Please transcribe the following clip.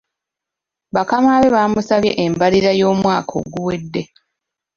Bakama be bamusabye embalirira y'omwaka oguwedde.